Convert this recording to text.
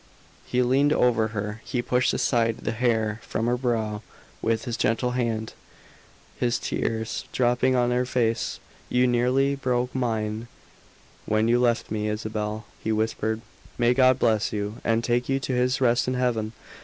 He leaned over her, he pushed aside the hair from her brow with his gentle hand, his tears dropping on her face. "You nearly broke mine, when you left me, Isabel," he whispered. "May God bless you, and take you to His rest in Heaven!